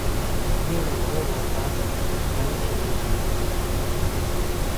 می ڑوۡ بھرو روٹا بی ڈنگ کِھلئی جنگیۡ تھےۡ بی